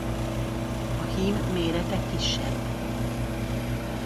A hím mérete kisebb.